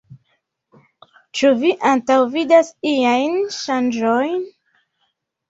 Ĉu vi antaŭvidas iajn ŝanĝojn?